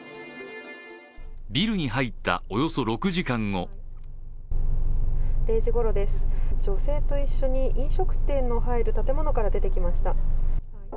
ビルに入ったおよそ６時間後０時ごろです、女性と一緒に飲食店の入る建物から出てきました。